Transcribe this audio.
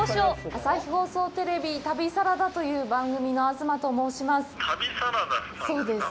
朝日放送テレビ、旅サラダという番組の東と申します。